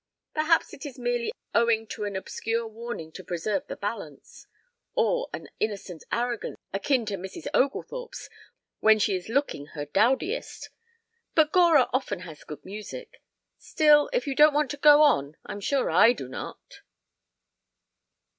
Perhaps it is merely owing to an obscure warning to preserve the balance. Or an innocent arrogance akin to Mrs. Oglethorpe's when she is looking her dowdiest. ... But Gora often has good music ... still, if you don't want to go on I'm sure I do not."